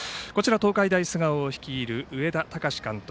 東海大菅生を率いる上田崇監督。